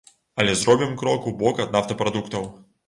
Але зробім крок убок ад нафтапрадуктаў.